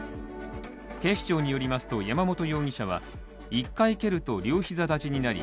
警視庁によりますと、山本容疑者は１回蹴ると両膝立ちになり